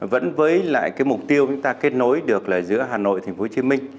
vẫn với lại mục tiêu chúng ta kết nối được giữa hà nội và tp hcm